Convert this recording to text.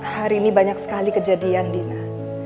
hari ini banyak sekali kejadian dina